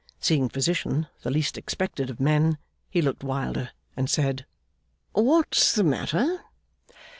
Seeing Physician, the least expected of men, he looked wilder and said, 'What's the matter?